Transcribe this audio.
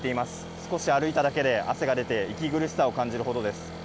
少し歩いただけで汗が出て息苦しさを感じるほどです。